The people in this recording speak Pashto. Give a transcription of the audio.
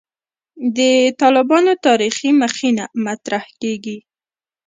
د «طالبانو تاریخي مخینه» مطرح کېږي.